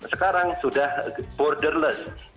sekarang sudah borderless